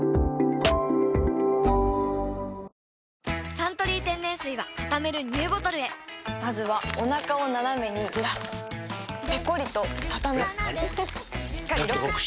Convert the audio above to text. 「サントリー天然水」はたためるＮＥＷボトルへまずはおなかをナナメにずらすペコリ！とたたむしっかりロック！